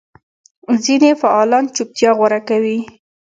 ځینې فعالان چوپتیا غوره کوي.